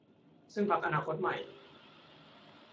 ซึ่งพรรคอนาคตใหม่